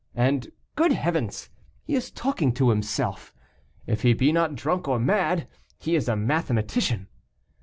And, good heavens! he is talking to himself. If he be not drunk or mad, he is a mathematician."